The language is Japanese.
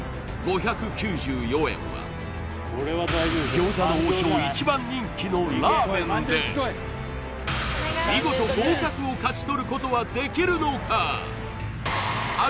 餃子の王将一番人気のラーメンで見事合格を勝ち取ることはできるのか？